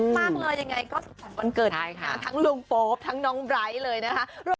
มากเลยยังไงก็ขวัญวันเกิดทั้งลุงโป๊ปทั้งน้องไบร์ทเลยนะคะ